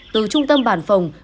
từ trung tâm bản phòng